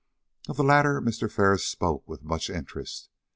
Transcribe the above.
Of the latter Mr. Ferris spoke with much interest.